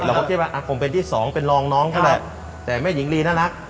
เราก็คิดว่าคงเป็นที่สองเป็นรองน้องเขาแหละแต่แม่หญิงลีน่ารัก